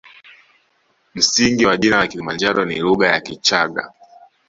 Msingi wa jina la kilimanjaro ni lugha ya kichagga